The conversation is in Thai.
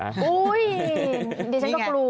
อุ้ยเดี๋ยวฉันก็กลัว